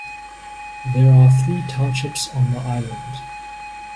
There are three townships on the island.